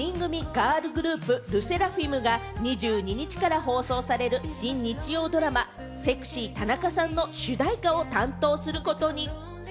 ガールグループ・ＬＥＳＳＥＲＡＦＩＭが、２２日から放送される新日曜ドラマ『セクシー田中さん』の主題歌を担当することに！